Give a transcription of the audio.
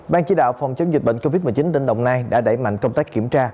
ban chỉ đạo phòng chống dịch bệnh covid một mươi chín tỉnh đồng nai đã đẩy mạnh công tác kiểm tra